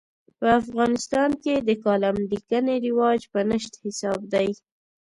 په افغانستان کې د کالم لیکنې رواج په نشت حساب دی.